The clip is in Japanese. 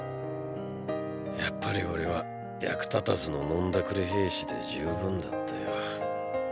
やっぱり俺は役立たずの飲んだくれ兵士で十分だったよ。